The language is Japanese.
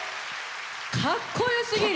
かっこよすぎる！